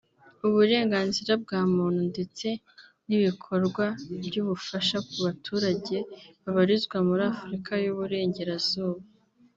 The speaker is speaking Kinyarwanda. u Burenganzira bwa muntu ndetse n’ibikorwa by’ubufasha ku baturage babarizwa muri Afurika y’u Burengerazuba